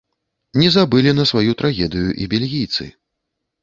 Не забылі на сваю трагедыю і бельгійцы.